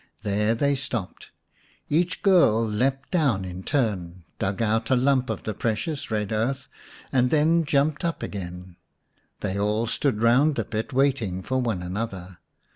There they stopped ; each girl leapt down in turn, dug out a lump of the precious red earth, and then jumped up again. They all stood round the pit waiting for one another.